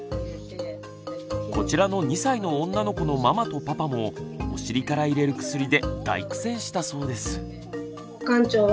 こちらの２歳の女の子のママとパパもお尻から入れる薬で大苦戦したそうです。